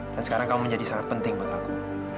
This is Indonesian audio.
dan sekarang kamu menjadi sangat penting buat aku